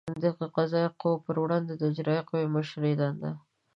د قضایه قوې پر وړاندې د اجرایه قوې د مشر دندې